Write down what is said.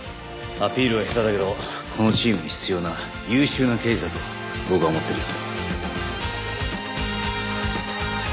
アピールは下手だけどこのチームに必要な優秀な刑事だと僕は思ってるよ。